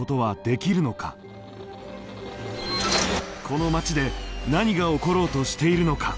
この町で何が起ころうとしているのか。